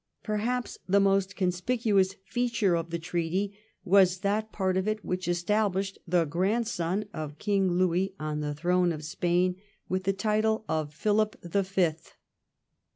Perhaps the most conspicuous feature of the treaty was that part of it which estab lished the grandson of King Louis on the throne of Spain with the title of Philip the Fifth.